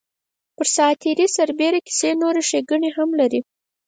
پر ساعت تېرۍ سربېره کیسې نورې ښیګڼې هم لري.